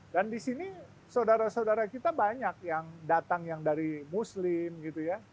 dan di sini saudara saudara kita banyak yang datang yang dari muslim gitu ya